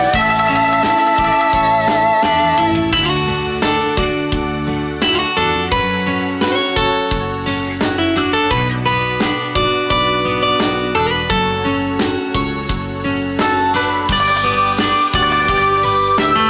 บอกนั้นว่าเธอรึเหมือนพี่หนู